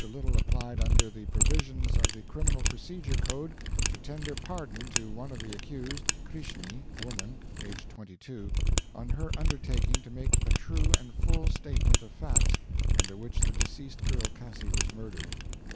Little applied under the provisions of the Criminal Procedure Code to tender pardon to one of the accused, Krishni, woman, aged 22, on her undertaking to make a true and full statement of facts under which the deceased girl Cassi was murdered.